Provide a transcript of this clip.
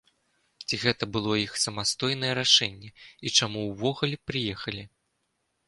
Ці гэта было іх самастойнае рашэнне, і чаму ўвогуле прыехалі?